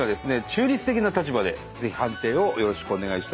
中立的な立場でぜひ判定をよろしくお願いしたいと思います。